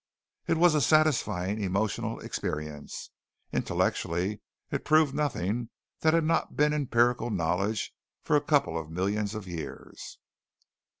It was a satisfying emotional experience. Intellectually it proved nothing that had not been empirical knowledge for a couple of millions of years.